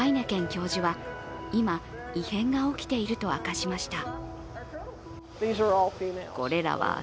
教授は今、異変が起きていると明かしました。